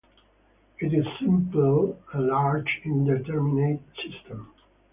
It is simply a larger indeterminate system.